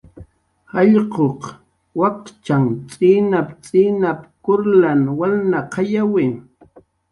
"Jallq'uq wakchan t'inap"" t'inap"" kurlan walnaqayawi"